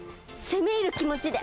攻め入る気持ちで。